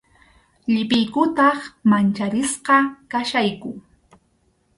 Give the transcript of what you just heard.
Llipiykutaq mancharisqa kachkayku.